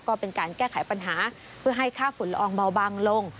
ก็เป็นการแก้ไขปัญหาเพื่อให้ค่าฝุ่นละอองเบาบางลง